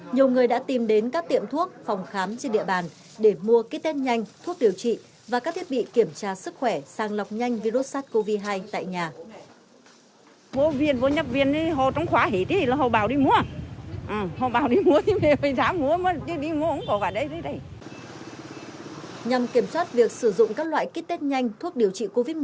nhiều người đã tìm đến các tiệm thuốc phòng khám trên địa bàn để mua kit test nhanh thuốc điều trị và các thiết bị kiểm tra sức khỏe sang lọc